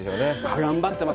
頑張ってます。